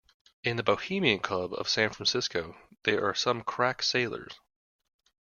In the Bohemian Club of San Francisco there are some crack sailors.